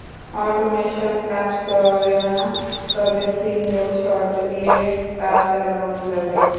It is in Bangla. অটোমেশন কাজ করে না, তবে সিংগেল শট দিয়ে কাজ চালানো যাবে।